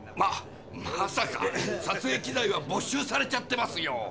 ままさか撮影機材は没収されちゃってますよ。